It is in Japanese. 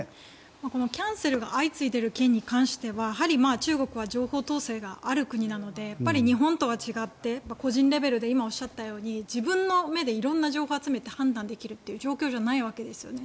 このキャンセルが相次いでいる件に関してはやはり中国は情報統制がある国なので日本とは違って個人レベルで今おっしゃったように自分の目で色んな情報を集めて判断できるという状況じゃないわけですね。